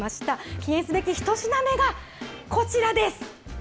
記念すべき１品目がこちらです。